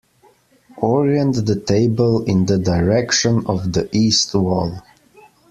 Orient the table in the direction of the east wall.